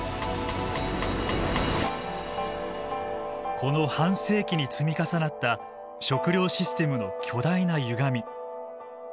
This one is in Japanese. この半世紀に積み重なった食料システムの巨大なゆがみ。